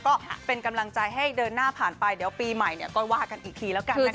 ก็เป็นกำลังใจให้เดินหน้าผ่านไปเดี๋ยวปีใหม่ก็ว่ากันอีกทีแล้วกันนะคะ